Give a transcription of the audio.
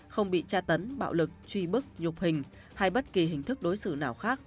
không bị tra tấn bạo lực truy bức nhục hình hay bất kỳ hình thức đối xử nào khác